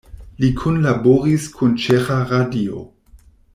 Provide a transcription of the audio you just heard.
Li kunlaboris kun Ĉeĥa Radio.